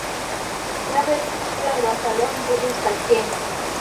Naw'esikira lwaka lwa mburi isakenyi.